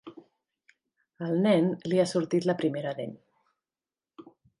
Al nen, li ha sortit la primera dent.